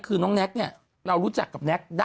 คือน้องแน็กเนี่ยเรารู้จักกับแน็ก